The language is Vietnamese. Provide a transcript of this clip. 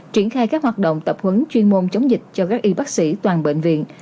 triển khai các hoạt động tập huấn chuyên môn chống dịch cho các y bác sĩ toàn bệnh viện